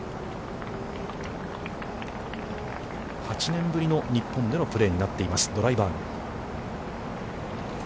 ８年ぶりの日本でのプレーになっています、ドライバーグ。